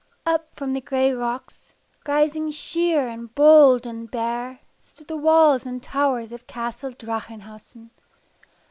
Up from the gray rocks, rising sheer and bold and bare, stood the walls and towers of Castle Drachenhausen.